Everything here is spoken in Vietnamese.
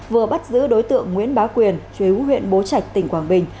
vừa bắt giữ đối tượng nguyễn bá quyền chế quốc huyện bố trạch tỉnh quảng bình